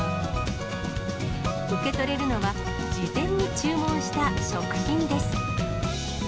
受け取れるのは、事前に注文した食品です。